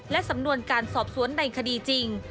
และสำนวนการสอบสวนในคดีจริง